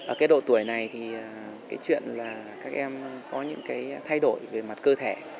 ở cái độ tuổi này thì cái chuyện là các em có những cái thay đổi về mặt cơ thể